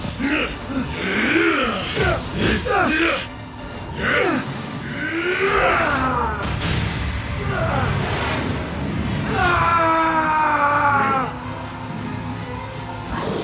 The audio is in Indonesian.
siap lu untuk